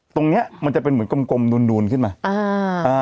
ตรงเนี้ยมันจะเป็นเหมือนกลมนูนขึ้นมาอ่า